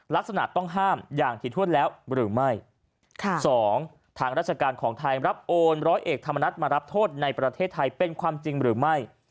ลักษณะต้องห้ามอย่างถี่ถ้วนแล้วหรือไม่ค่ะสองทางราชการของไทยรับโอนร้อยเอกธรรมนัฐมารับโทษในประเทศไทยเป็นความจริงหรือไม่